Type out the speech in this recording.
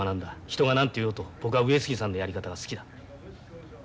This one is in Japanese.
人が何と言おうと僕は上杉さんのやり方が好きだ。